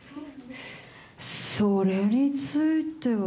それについては。